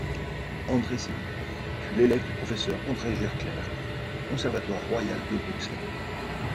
André Siwy fut l'élève du professeur André Gertler au Conservatoire royal de Bruxelles.